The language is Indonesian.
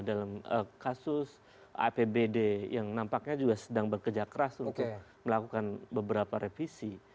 dalam kasus apbd yang nampaknya juga sedang bekerja keras untuk melakukan beberapa revisi